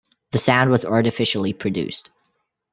The sound was artificially produced.